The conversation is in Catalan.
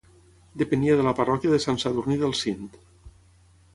Depenia de la parròquia de Sant Sadurní del Cint.